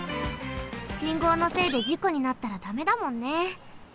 信号のせいでじこになったらダメだもんね。